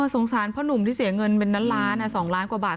สงสารพ่อหนุ่มที่เสียเงินเป็นล้านล้าน๒ล้านกว่าบาท